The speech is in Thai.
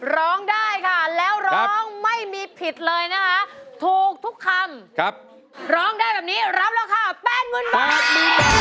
ร้องได้ค่ะแล้วร้องไม่มีผิดเลยนะคะถูกทุกคำร้องได้แบบนี้รับราคา๘๐๐๐บาท